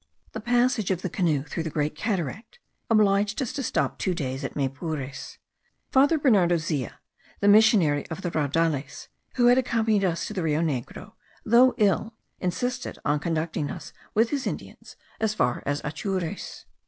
The passage of the canoe through the Great Cataract obliged us to stop two days at Maypures. Father Bernardo Zea, missionary at the Raudales, who had accompanied us to the Rio Negro, though ill, insisted on conducting us with his Indians as far as Atures.